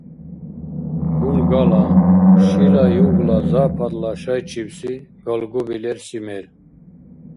«Гунгала» — шила югла-западла шайчибси галгуби лерси мер.